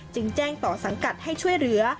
จึงแจ้งต่อสังกัดให้ช่วยเหลือ